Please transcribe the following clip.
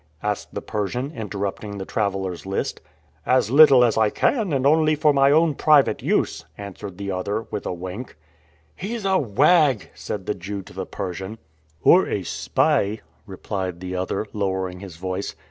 asked the Persian, interrupting the traveler's list. "As little as I can, and only for my own private use," answered the other, with a wink. "He's a wag," said the Jew to the Persian. "Or a spy," replied the other, lowering his voice.